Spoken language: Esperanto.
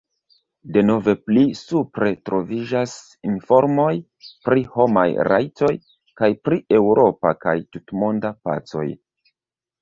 Denove pli supre troviĝas informoj pri homaj rajtoj kaj pri eŭropa kaj tutmonda pacoj.